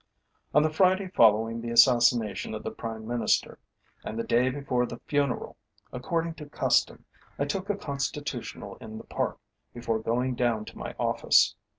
On the Friday following the assassination of the Prime Minister, and the day before the funeral, according to custom I took a constitutional in the Park before going down to my office.